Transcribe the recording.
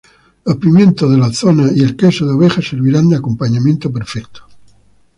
Los pimientos de la zona y el queso de oveja servirán de acompañamiento perfecto.